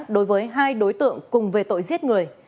đối với hai đối tượng cùng về tội giết người